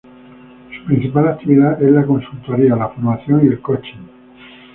Su principal actividad es la consultoría, la formación y el coaching.